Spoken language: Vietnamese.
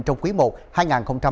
trong quý i hai nghìn hai mươi ba